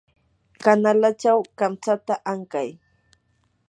kanalachaw kamtsata ankay.